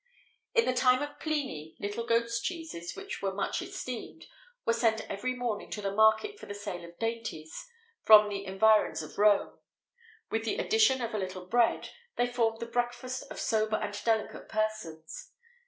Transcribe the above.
[XVIII 46] In the time of Pliny, little goat cheeses, which were much esteemed, were sent every morning to the market for the sale of dainties, from the environs of Rome.[XVIII 47] With the addition of a little bread, they formed the breakfast of sober and delicate persons.